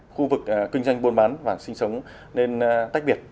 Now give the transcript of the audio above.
khu vực kinh doanh buôn bán vàng sinh sống nên tách biệt